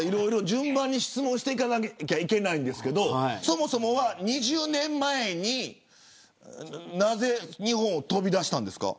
順番に質問をしていかなければいけないんですけどそもそも、２０年前になぜ日本を飛び出したんですか。